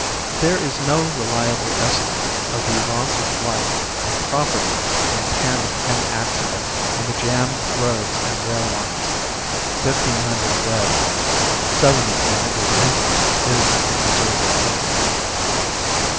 There is no reliable estimate of the loss of life and property from panic and accident on the jammed roads and rail lines. 1500 dead, 7400 injured is the conservative figure.